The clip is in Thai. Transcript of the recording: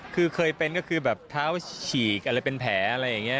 คือเคยเป็นก็คือแบบเท้าฉีกอะไรเป็นแผลอะไรอย่างนี้